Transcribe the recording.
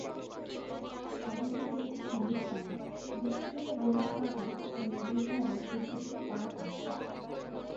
শহরটিতে একটি সঙ্গীত সমাজ, বিস্তৃত গোলাপ বাগান ও নদীর ধারের সুদৃশ্য পার্ক আছে।